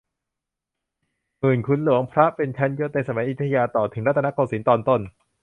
หมื่น ขุน หลวง พระ เป็นชั้นยศในสมัยอยุธยาต่อถึงรัตนโกสินทร์ตอนต้น